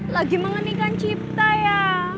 lagi mengenikan cipta ya